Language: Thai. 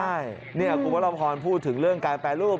ใช่นี่คุณวรพรพูดถึงเรื่องการแปรรูป